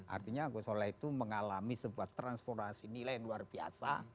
artinya gusola itu mengalami sebuah transportasi nilai yang luar biasa